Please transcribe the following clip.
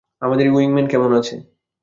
আমার উইংম্যান কেমন আছে?